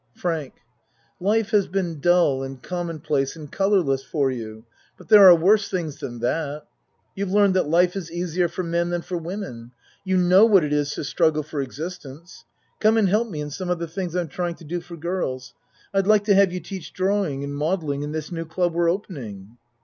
FRANK Life has been dull and common place and colorless for you but there are worse things than that. You've learned that life is easier for men than for women you know what it is to strug gle for existence come and help me in some of the things I'm trying to do for girls. I'd like to have you teach drawing and modeling in this new club we're opening.